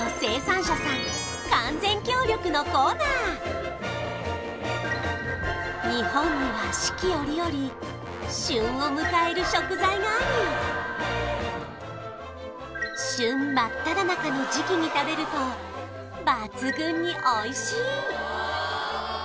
はい日本には四季折々旬を迎える食材があり旬真っただ中の時期に食べると抜群に美味しい！